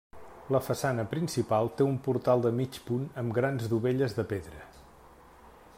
La façana principal té un portal de mig punt amb grans dovelles de pedra.